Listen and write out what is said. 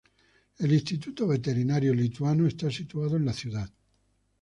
El instituto veterinario lituano está situado en la ciudad.